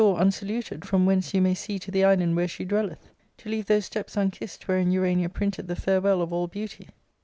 iiwsaluted from whence you may see to the island vlvert she dwelleth ; to leave those steps unkissed wherein L'.an:a printed the farewell of all beauty?'